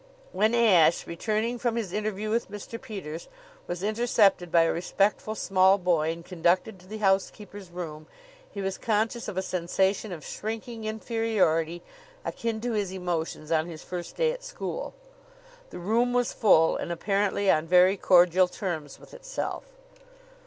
When Ashe, returning from his interview with Mr. Peters, was intercepted by a respectful small boy and conducted to the housekeeper's room, he was conscious of a sensation of shrinking inferiority akin to his emotions on his first day at school. The room was full and apparently on very cordial terms with itself.